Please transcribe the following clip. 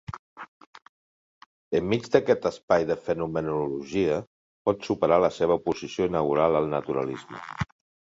Enmig d'aquest espai de fenomenologia pot superar la seva oposició inaugural al naturalisme.